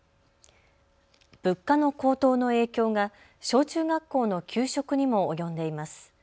物価の高騰の影響が小中学校の給食にも及んでいます。